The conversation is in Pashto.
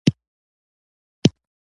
د هغه احتیاج او لاسنیوي احساس ولري.